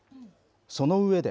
その上で。